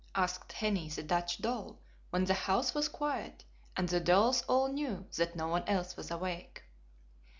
asked Henny, the Dutch doll, when the house was quiet and the dolls all knew that no one else was awake.